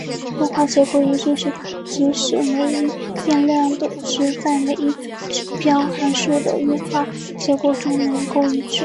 优化结果一致是指使每一变量的值在每一子目标函数的优化结果中能够一致。